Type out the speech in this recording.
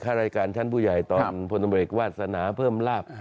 รายการชั้นผู้ใหญ่ตอนพลตำรวจเอกวาสนาเพิ่มลาบ